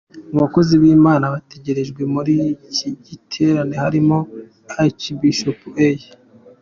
Mu bakozi b’Imana bategerejwe muri iki giterane harimo Arch Bishop A.